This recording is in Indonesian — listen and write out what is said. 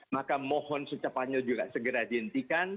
maka mohon secepatnya juga segera dihentikan